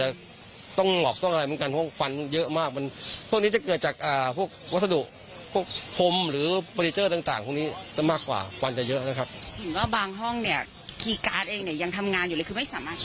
บางห้องยังทำงานอยู่เลยคือไม่สามารถเข้าไปได้